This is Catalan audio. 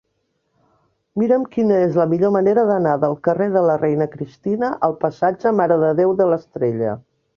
Mira'm quina és la millor manera d'anar del carrer de la Reina Cristina al passatge Mare de Déu de l'Estrella.